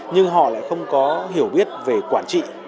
nhưng họ lại không có hiểu biết về quản trị